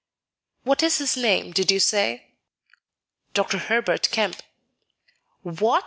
"What is his name, did you say?" "Dr. Herbert Kemp." "What!